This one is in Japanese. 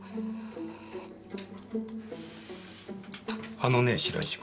あのね白石君。